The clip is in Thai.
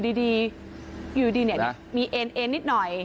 ไม่เข้าใจว่าอยู่ดีมีเอนนิดหน่อย